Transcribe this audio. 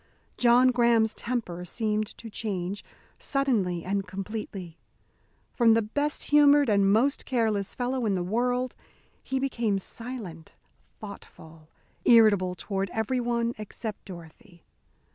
John Graham's temper seemed to change, suddenly and completely. From the best humoured and most careless fellow in the world, he became silent, thoughtful, irritable toward everyone except Dorothy.